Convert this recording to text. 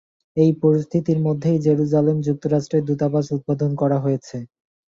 এই পরিস্থিতির মধ্যেই জেরুজালেমে যুক্তরাষ্ট্রের দূতাবাস উদ্বোধন করা হয়েছে।